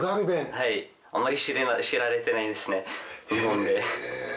はいあまり知られてないですね日本で。